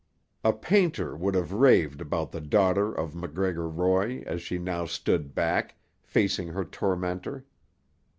A painter would have raved about the daughter of MacGregor Roy as she now stood back, facing her tormentor.